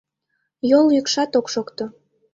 Йол йӱкшат ок шокто.